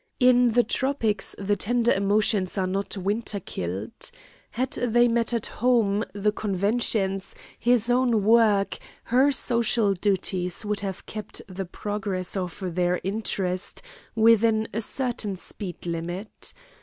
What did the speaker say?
In the tropics the tender emotions are not winter killed. Had they met at home, the conventions, his own work, her social duties would have kept the progress of their interest within a certain speed limit.